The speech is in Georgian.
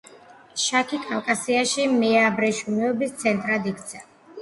შაქი კავკასიაში მეაბრეშუმეობის ცენტრად იქცა.